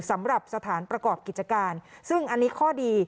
สำหรับสถานประกอบกิจการซึ่งอันนี้ข้อดี